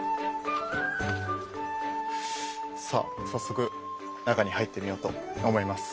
さあ早速中に入ってみようと思います。